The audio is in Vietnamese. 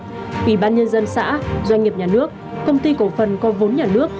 ủy ban nhân dân xã doanh nghiệp nhà nước công ty cổ phần có vốn nhà nước